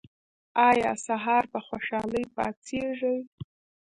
ایا سهار په خوشحالۍ پاڅیږئ؟